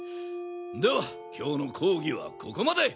では今日の講義はここまで！